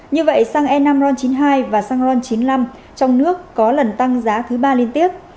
như vậy xăng e năm ron chín mươi hai và xăng ron chín mươi năm trong nước có lần tăng giá thứ ba liên tiếp